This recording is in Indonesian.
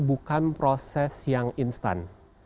bukan proses yang instan